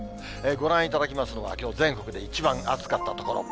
ご覧いただきますのは、きょう全国で一番暑かった所。